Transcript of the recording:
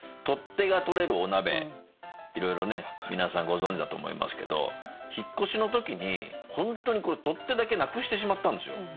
取っ手が取れるお鍋いろいろね皆さんご存じだと思いますけど引っ越しの時に本当に取っ手だけなくしてしまったんですよ。